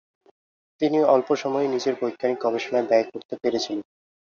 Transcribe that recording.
তিনি অল্পসময়ই নিজের বৈজ্ঞানিক গবেষণায় ব্যয় করতে পেরেছিলেন।